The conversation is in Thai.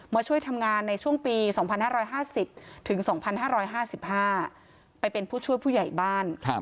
ช่วยทำงานในช่วงปี๒๕๕๐ถึง๒๕๕๕ไปเป็นผู้ช่วยผู้ใหญ่บ้าน